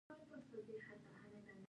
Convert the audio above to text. حسنا د ثنا خور ده